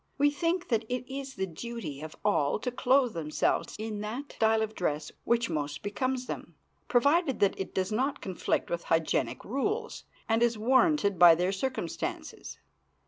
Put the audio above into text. We think that it is the duty of all to clothe themselves in that style of dress which most becomes them, provided that it does not conflict with hygienic rules, and is warranted by their circumstances.